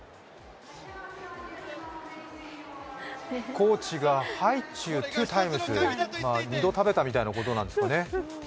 コーチがハイチュウ・トゥー・タイムス、２度食べたみたいなことなんですかね。